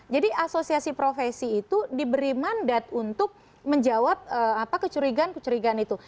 jadi asosiasi profesi itu diberi mandat untuk menjawab kecurigaan kecurigaan itu